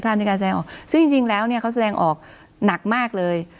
ที่เสร็จความเสร็จจะออกซึ่งจริงแล้วเนี่ยก็แสดงออกนักมากเลย